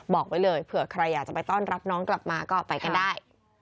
บอกไว้เลยเผื่อใครอยากจะไปต้อนรับน้องกลับมาก็ไปกันได้